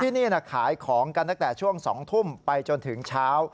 ที่นี่ขายของตั้งแต่ช่วง๒ทุ่มไปจนถึงเช้า